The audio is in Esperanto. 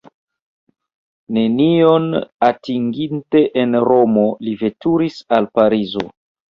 Nenion atinginte en Romo li veturis al Parizo.